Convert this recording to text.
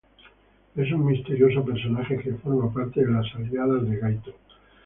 Es un misterioso personaje que forma parte de las aliadas de Gaito.